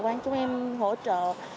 quang chúng em hỗ trợ